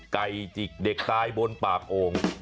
ไก่จิกเด็กตายบนปากโอ่ง